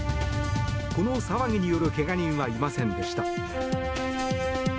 この騒ぎによる怪我人はいませんでした。